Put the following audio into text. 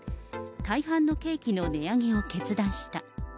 大半のケーキの値上げを決断した。